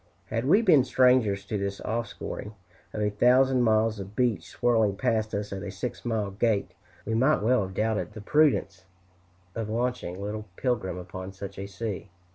Had we been strangers to this offscouring of a thousand miles of beach, swirling past us at a six mile gait, we might well have doubted the prudence of launching little Pilgrim upon such a sea.